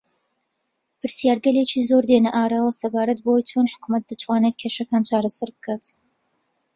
پرسیارگەلێکی زۆر دێنە ئاراوە سەبارەت بەوەی چۆن حکوومەت دەتوانێت کێشەکان چارەسەر بکات